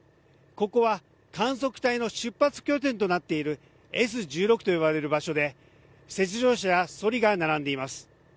ここは観測隊の出発拠点となっているＳ１６といわれる場所で雪上車やそりが並んでいます。